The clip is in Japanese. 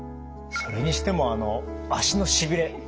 それにしても足のしびれ